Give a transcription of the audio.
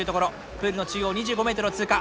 プールの中央２５ｍを通過。